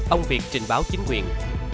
ông việt trình báo chính quyền